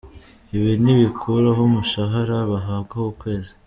Ibi ntibikuraho umushahara bahabwa ku kwezi.